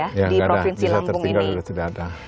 tidak ada bisa tertinggal sudah tidak ada